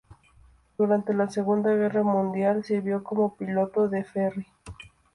Durante la Segunda Guerra Mundial sirvió como piloto de ferry.